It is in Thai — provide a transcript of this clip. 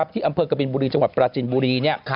ที่อำเภอกบินบุรีจังหวัดปราจินบุรี